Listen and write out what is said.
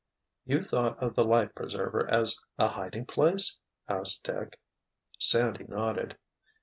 "You thought of the life preserver as a hiding place?" asked Dick. Sandy nodded.